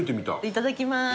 いただきます。